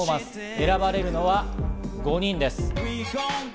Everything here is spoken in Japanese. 選ばれるのは５人です。